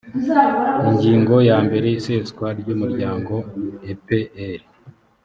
ingingo ya mbere iseswa ry umuryango epr